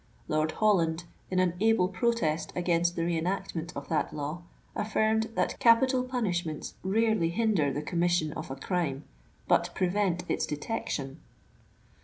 Lord Holland, in an able protest against the re enactment of that law, affirmed that capital punishments rarely hinder the commission of a crimOf but prevent its detection.